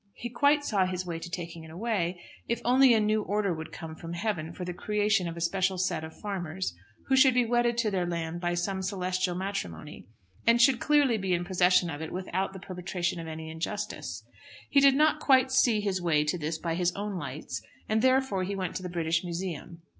He quite saw his way to taking it away; if only a new order would come from heaven for the creation of a special set of farmers who should be wedded to their land by some celestial matrimony, and should clearly be in possession of it without the perpetration of any injustice. He did not quite see his way to this by his own lights, and therefore he went to the British Museum.